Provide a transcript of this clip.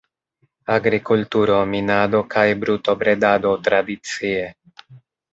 Agrikulturo, minado kaj brutobredado tradicie.